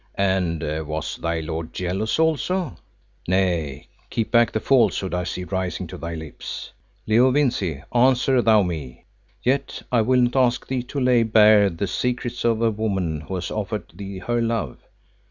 And was thy lord jealous also? Nay, keep back the falsehood I see rising to thy lips. Leo Vincey, answer thou me. Yet, I will not ask thee to lay bare the secrets of a woman who has offered thee her love.